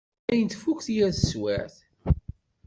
Dayen tfukk yir teswiεt.